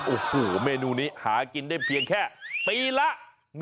โอ้โหเมนูนี้หากินได้เพียงแค่ปีละ